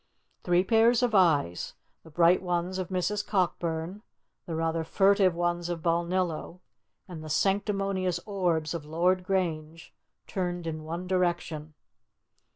Three pairs of eyes the bright ones of Mrs. Cockburn, the rather furtive ones of Balnillo, and the sanctimonious orbs of Lord Grange turned in one direction.